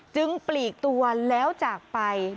ปลีกตัวแล้วจากไป